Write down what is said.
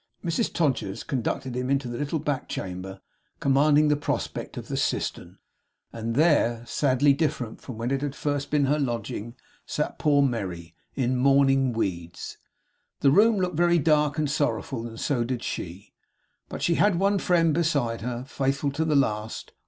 Mrs Todgers conducted him into the little back chamber commanding the prospect of the cistern; and there, sadly different from when it had first been her lodging, sat poor Merry, in mourning weeds. The room looked very dark and sorrowful; and so did she; but she had one friend beside her, faithful to the last.